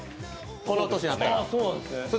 この年になったら。